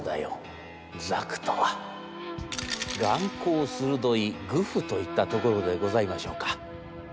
「眼光鋭いグフといったところでございましょうか。